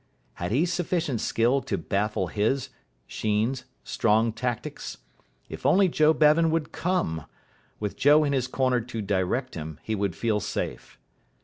Had he sufficient skill to baffle his (Sheen's) strong tactics? If only Joe Bevan would come! With Joe in his corner to direct him, he would feel safe.